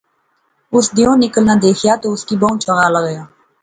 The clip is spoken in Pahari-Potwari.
اُس دیہوں نکلنا دیخیا تے اُس کی بہوں چنگا لغیا